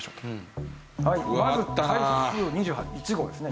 まず台風２１号ですね。